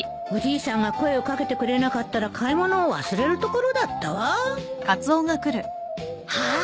おじいさんが声を掛けてくれなかったら買い物を忘れるところだったわ